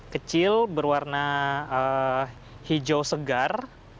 kecil berwarna hijau segar